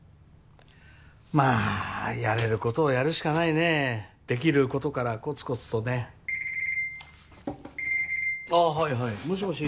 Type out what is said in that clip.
まあやれることをやるしかないねできることからコツコツとねああはいはいもしもし？